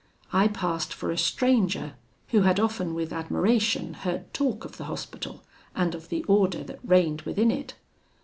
I passed for a stranger who had often with admiration heard talk of the Hospital, and of the order that reigned within it.